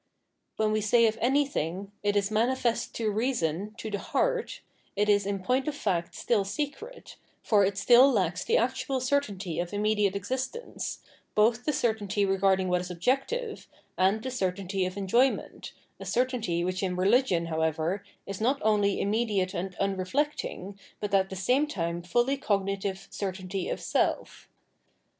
When we say of anything, " it is manifest to reason, to the heart," it is in point of fact still secret, for it still lacks the actual certainty of immediate existence, both the certainty regarding what is objective, and the certainty of enjoyment, a certainty which in religion, however, is not only immediate and mireflecting, but at the same time fully cognitive certainty of self.